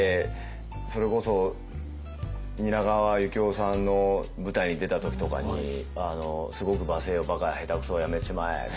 それこそ蜷川幸雄さんの舞台に出た時とかにすごく罵声を「バカ下手くそやめちまえ」って。